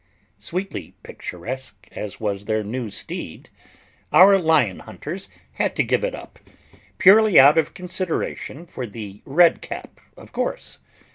SWEETLY picturesque as was their new steed, our lion hunters had to give it up, purely out of consideration for the red cap, of course.